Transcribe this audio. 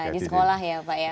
di sekolah ya pak ya